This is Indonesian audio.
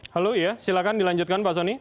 halo iya silahkan dilanjutkan pak sonny